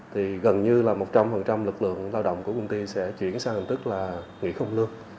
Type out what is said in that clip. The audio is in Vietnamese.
thì gần như là một trăm linh lực lượng lao động của công ty sẽ chuyển sang hình thức là nghỉ không lương